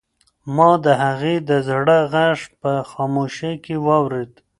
ما د هغې د زړه غږ په خاموشۍ کې واورېد.